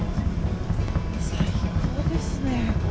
最高ですね。